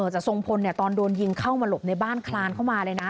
ทรงพลตอนโดนยิงเข้ามาหลบในบ้านคลานเข้ามาเลยนะ